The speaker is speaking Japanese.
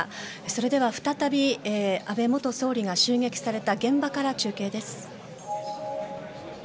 それでは再び安倍元総理が襲撃された現場から中継です。